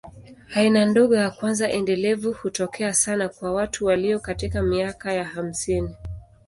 Aina ndogo ya kwanza endelevu hutokea sana kwa watu walio katika miaka ya hamsini.